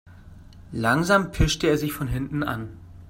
Langsam pirschte er sich von hinten an.